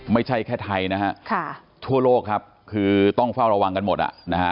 ไม่ใช่แค่ไทยนะฮะทั่วโลกครับคือต้องเฝ้าระวังกันหมดอ่ะนะฮะ